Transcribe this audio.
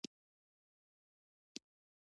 د اورېدونکو په اړه پوهه لرل